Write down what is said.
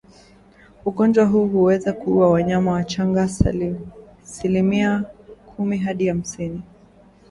Ugonjwa huu huweza kuua wanyama wachanga silimia kumi hadi hamsini